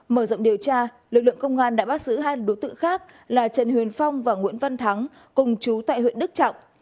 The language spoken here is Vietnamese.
mở rộng điều tra lực lượng công an đã bắt giữ hai đối tượng khác là trần huyền phong và nguyễn văn thắng cùng chú tại huyện đức trọng